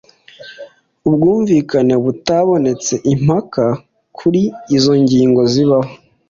ubwumvikane butabonetse impaka kuri izo ngingo zibaho